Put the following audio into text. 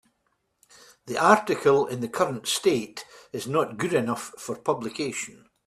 The article in the current state is not good enough for publication.